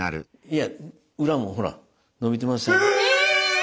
いや裏もほら伸びてますね。